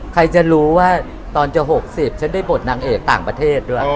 ใครจะรู้ว่าตอนจะ๖๐ฉันได้บทนางเอกต่างประเทศด้วย